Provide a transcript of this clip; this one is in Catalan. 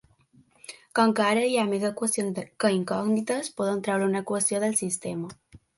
Com que ara hi ha més equacions que incògnites, podem treure una equació del sistema.